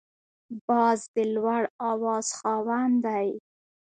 باز د لوړ اواز خاوند دی